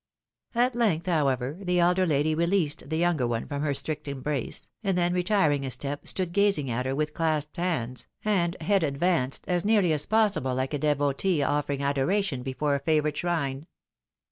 At length, however, the elder lady released the younger one from her strict embrace, and then retiring a step, stood gazing at her with clasped hands, and head advanced, as nearly as possible like a devotee offering adoration before a fevourite shrine.